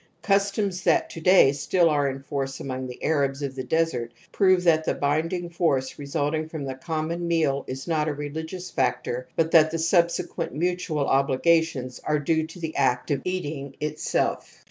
Customs that to day\ still are in force among the Arabs of the desert j prove that the binding force resulting from the j common meal is not a religious factor but thjjb^ the subsequent mutual obligations are due to the act of eating itself.